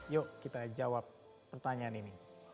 yuk kita jawab pertanyaan ini